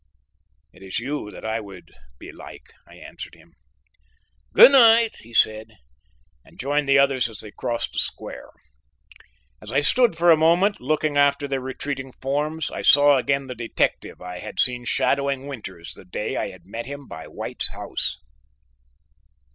"It is you that I would be like," I answered him. "Good night," he said, and joined the others as they crossed the square. As I stood for a moment, looking after their retreating forms, I saw again the detective I had seen shadowing Winters the day I had met him by White's house.